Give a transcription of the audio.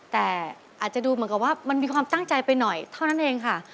แต่อาจจะดูเหมือนกับว่ามันมีความตั้งใจไปหน่อยเท่านั้นเองค่ะ